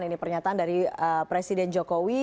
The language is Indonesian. ini pernyataan dari presiden jokowi